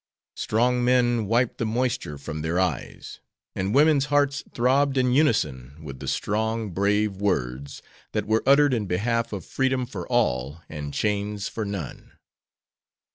Strong men wiped the moisture from their eyes, and women's hearts throbbed in unison with the strong, brave words that were uttered in behalf of freedom for all and chains for none.